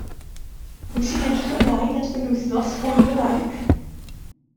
Pwy sy'n edrych ymlaen at benwythnos gŵyl y banc?